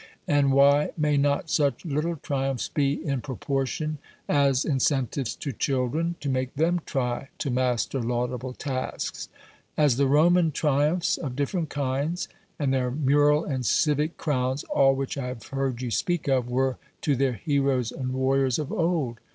And why may not such little triumphs be, in proportion, as incentives, to children, to make them try to master laudable tasks; as the Roman triumphs, of different kinds, and their mural and civic crowns, all which I have heard you speak of, were to their heroes and warriors of old?